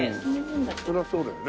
そりゃそうだよね。